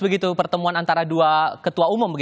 begitu pertemuan antara dua ketua umum